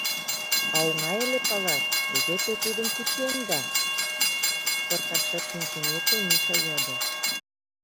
А оҥай ыле палаш — кузе те тудым кученда? — пыртак шып шинчымеке, Миша йодо.